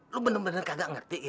lo bener bener kagak ngerti ya